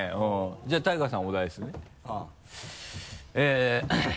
じゃあＴＡＩＧＡさんお題ですね。